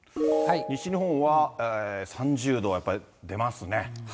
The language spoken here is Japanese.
西日本は３０度、やっぱり、出ますね。